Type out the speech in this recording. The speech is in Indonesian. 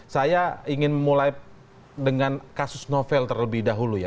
saya ingin mulai dengan kasus novel terlebih dahulu ya